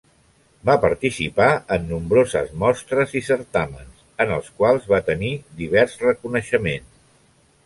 Va participar en nombroses mostres i certàmens, en els quals va tenir divers reconeixement.